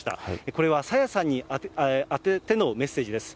これは朝芽さんに宛ててのメッセージです。